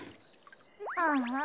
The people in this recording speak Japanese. ああ。